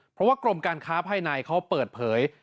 เพราะว่ากรมการค้าภายในเขาเปิดเผย